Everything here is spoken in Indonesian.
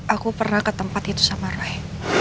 aku pernah ke tempat itu sama rai